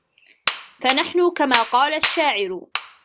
فَنَحْنُ كَمَا قَالَ الشَّاعِرُ